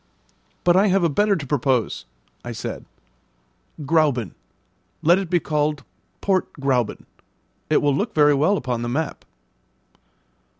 "But I have a better to propose," I said: "Grauben. Let it be called Port Gräuben; it will look very well upon the map."